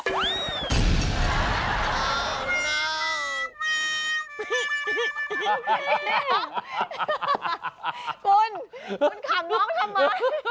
คุณคุณขำน้องทำไม